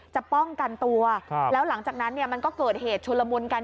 จะป้องกันตัวแล้วหลังจากนั้นเนี่ยมันก็เกิดเหตุชุลมุนกัน